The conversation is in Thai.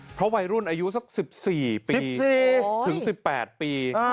เพราะวัยรุ่นอายุสักสิบสี่ปีสิบสี่ถึงสิบแปดปี